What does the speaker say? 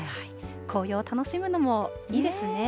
紅葉を楽しむのもいいですね。